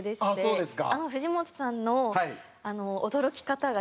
そうです。